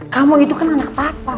kamu itu kan anak papa